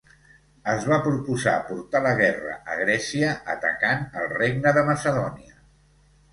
Es va proposar portar la guerra a Grècia atacant el Regne de Macedònia.